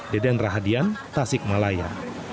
deden rahadian tasik malaya